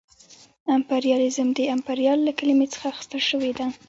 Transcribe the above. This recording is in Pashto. امپریالیزم د امپریال له کلمې څخه اخیستل شوې ده